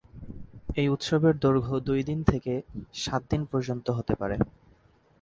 এই উৎসবের দৈর্ঘ্য দুই দিন থেকে সাত দিন পর্যন্ত হতে পারে।